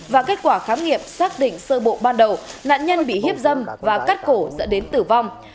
và kết quả khám nghiệm xác định sơ bộ ban đầu nạn nhân bị hiếp dâm và cắt cổ dẫn đến tử vong